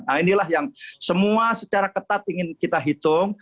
nah inilah yang semua secara ketat ingin kita hitung